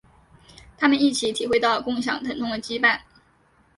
他们一起体会到共享疼痛的羁绊。